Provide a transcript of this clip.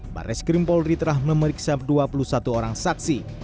bares krim polri telah memeriksa dua puluh satu orang saksi